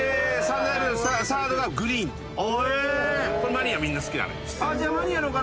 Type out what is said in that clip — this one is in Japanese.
マニアみんな好きなのよ。